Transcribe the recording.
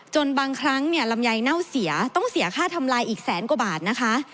บางครั้งเนี่ยลำไยเน่าเสียต้องเสียค่าทำลายอีกแสนกว่าบาทนะคะ